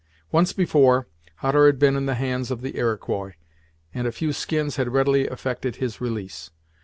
Once before, Hutter had been in the hands of the Iroquois, and a few skins had readily effected his release.